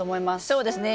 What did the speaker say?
そうですね。